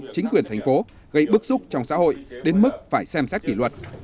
chính quyền thành phố gây bức xúc trong xã hội đến mức phải xem xét kỷ luật